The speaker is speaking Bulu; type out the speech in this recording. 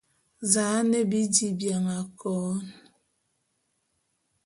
Za'an bi dí bian akôn.